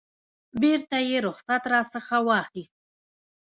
بیرته یې رخصت راڅخه واخیست.